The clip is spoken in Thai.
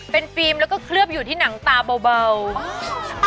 เป็นฟิล์มแล้วก็เคลือบอยู่ที่หนังตาเบา